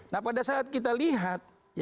nah pada saat kita lihat